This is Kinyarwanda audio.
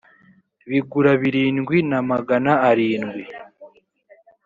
bigurabirindwi na magana arindwi